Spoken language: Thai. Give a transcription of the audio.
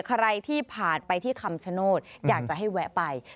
ใครที่ผ่านไปที่คำชโนธอยากจะให้แวะไป